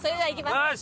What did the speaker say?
よし！